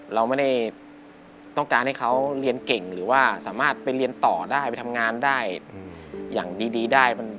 เราไม่ได้ต้องการให้เขาเรียนเก่งหรือว่าสามารถไปเรียนต่อได้ไปทำงานได้อย่างดีได้